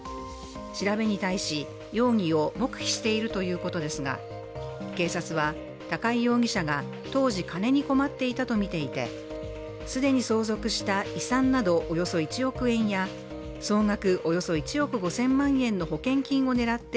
調べに対し容疑を黙秘しているということですが警察は、高井容疑者が当時、金に困っていたとみていて既に相続した遺産などおよそ１億円や総額